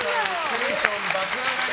テンション爆上がり！